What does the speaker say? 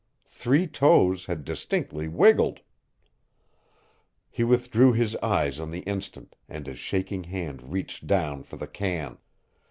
Three toes had distinctly wiggled. He withdrew his eyes on the instant and his shaking hand reached down for the can.